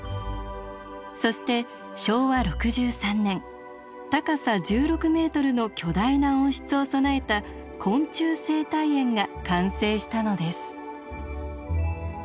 そして昭和６３年高さ１６ｍの巨大な温室を備えた昆虫生態園が完成したのです。